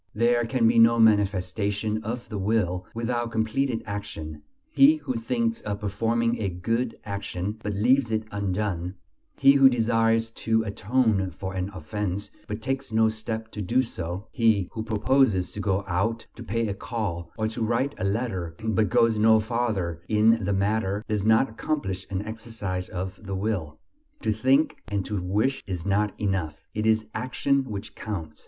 There can be no manifestation of the will without completed action; he who thinks of performing a good action, but leaves it undone; he who desires to atone for an offense, but takes no step to do so; he who proposes to go out, to pay a call, or to write a letter, but goes no farther in the matter, does not accomplish an exercise of the will. To think and to wish is not enough. It is action which counts.